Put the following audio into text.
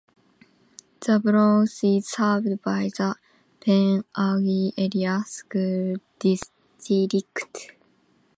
The borough is served by the Pen Argyl Area School District.